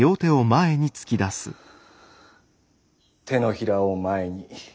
手のひらを前に。